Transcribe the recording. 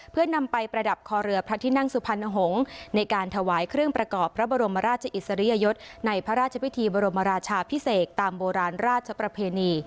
เพื่อนำไปประดับคอเรือพระที่นั่งสุพรรณหงษ์ในการถวายเครื่องประกอบพระบรมราชอิสริยยศในพระราชพิธีบรมราชาพิเศษตามโบราณราชประเพณี